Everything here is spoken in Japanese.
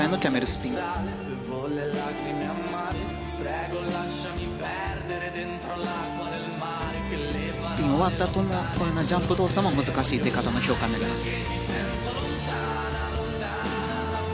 スピン終わったあとのこのジャンプ動作も難しい出方の評価になります。